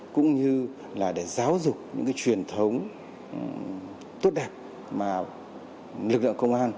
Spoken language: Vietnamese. cũng như là để giáo dục những cái truyền thống tốt đẹp mà lực lượng công an